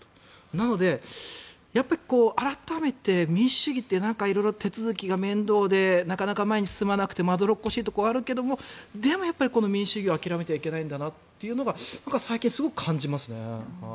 なので、やはり改めて民主主義って色々手続きが面倒でなかなか前に進まなくてまどろっこしいところはあるけれどもでも民主主義を諦めてはいけないんだなというのが僕は最近すごく感じますね。